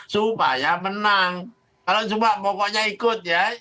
supaya menang kalau cuma pokoknya ikut ya